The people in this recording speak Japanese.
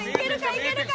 いけるか？